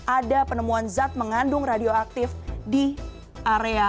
ada penemuan zat mengandung radioaktif di area